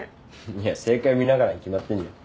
いや正解見ながらに決まってんじゃん。